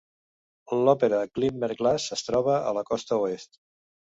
L'òpera Glimmerglass es troba a la costa oest.